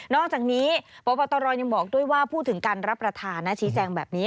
อกจากนี้พบตรยังบอกด้วยว่าพูดถึงการรับประทานนะชี้แจงแบบนี้